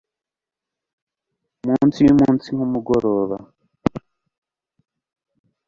Munsi yumunsi nkumugoroba